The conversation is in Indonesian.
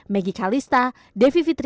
megi kalista devi fitriantara